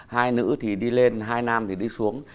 hai nữ thì đi lên hai nam thì đi xuống